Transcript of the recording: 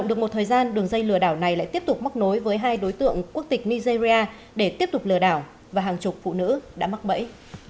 được một thời gian đường dây lừa đảo này lại tiếp tục mắc nối với hai đối tượng quốc tịch nigeria để tiếp tục lừa đảo và hàng chục phụ nữ đã mắc bẫy